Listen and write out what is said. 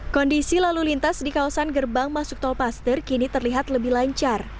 kondisi lalu lintas di kawasan gerbang masuk tolpaster kini terlihat lebih lancar